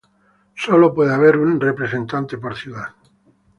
Solo puede haber un representante por ciudad.